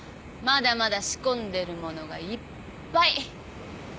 まだまだ仕込んでるものがいっぱい。